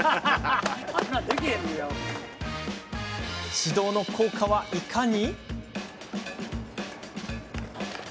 指導の効果はいかに？